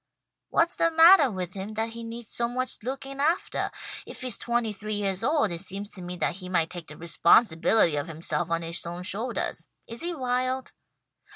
"What's the mattah with him, that he needs so much looking aftah? If he's twenty three yeahs old it seems to me that he might take the responsibility of himself on his own shouldahs. Is he wild?"